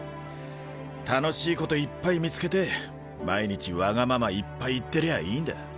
楽しいこといっぱい見つけて毎日わがままいっぱい言ってりゃいいんだ。